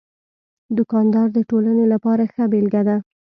دوکاندار د ټولنې لپاره ښه بېلګه ده.